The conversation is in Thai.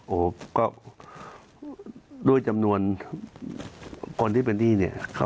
โหก็ด้วยจำนวนคนที่เป็นคน